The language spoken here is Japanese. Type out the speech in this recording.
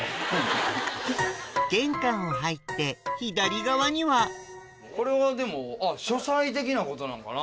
玄関を入って左側にはこれはでも書斎的なことなんかな？